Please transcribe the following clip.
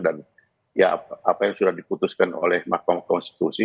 dan ya apa yang sudah diputuskan oleh mahkamah konstitusi